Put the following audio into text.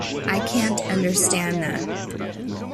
I can't understand that